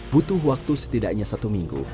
butuh waktu setidaknya satu minggu